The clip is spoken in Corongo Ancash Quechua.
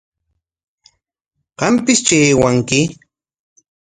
Qampistri aywanki.